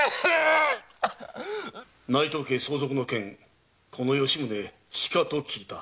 内藤家相続の件この吉宗しかと聞いた。